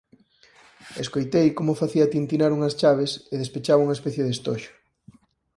E escoitei como facía tintinar unhas chaves e despechaba unha especie de estoxo.